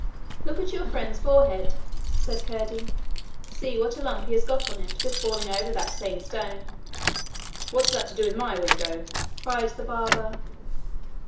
'Look at your friend's forehead,' said Curdie. 'See what a lump he has got on it with falling over that same stone.' 'What's that to my window?' cried the barber.